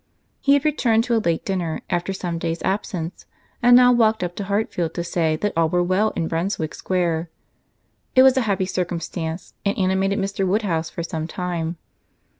He had returned to a late dinner, after some days' absence, and now walked up to Hartfield to say that all were well in Brunswick Square. It was a happy circumstance, and animated Mr. Woodhouse for some time.